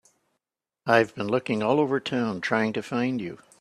I've been looking all over town trying to find you.